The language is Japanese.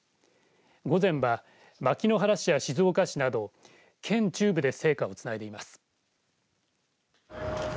午前は、牧之原市や静岡市など県中部で聖火をつないでいます。